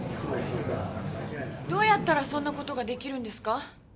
どうやったらそんな事ができるんですか？